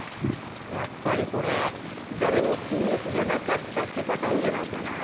やっぱりこれ誰もＴ・Ｓじゃなかったってパターンじゃないかなぁ。